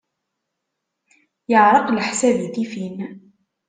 Yeɛreq leḥsab i tifin.